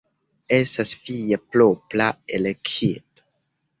Estas via propra elekto.